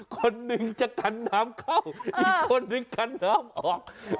คนหนึ่งจะกันน้ำเข้าอีกคนนึงกันน้ำออก